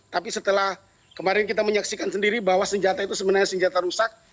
tapi setelah kemarin kita menyaksikan sendiri bahwa senjata itu sebenarnya senjata rusak